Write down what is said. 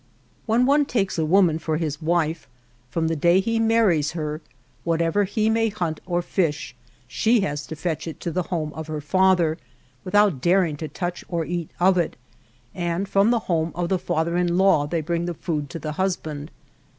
When one takes a woman for his wife, from the day he marries her, whatever he may hunt or fish, she has to fetch it to the home of her father, without daring to touch or eat of it, and from the home of the father in law they bring the food to the husband.